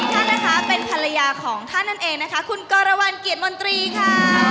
ท่านนะคะเป็นภรรยาของท่านนั่นเองนะคะคุณกรวรรณเกียรติมนตรีค่ะ